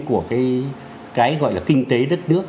của cái gọi là kinh tế đất nước